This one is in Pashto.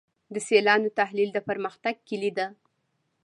د سیالانو تحلیل د پرمختګ کلي ده.